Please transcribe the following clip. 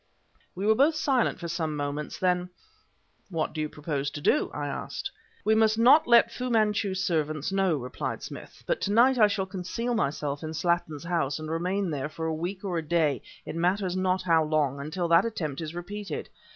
We were both silent for some moments; then: "What do you propose to do?" I asked. "We must not let Fu Manchu's servants know," replied Smith, "but to night I shall conceal myself in Slattin's house and remain there for a week or a day it matters not how long until that attempt is repeated.